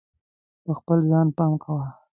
په خپل ځان پام کوه.